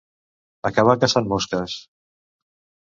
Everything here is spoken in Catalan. Acabar caçant mosques.